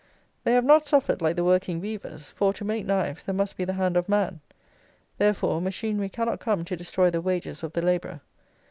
They have not suffered like the working weavers; for, to make knives, there must be the hand of man. Therefore, machinery cannot come to destroy the wages of the labourer.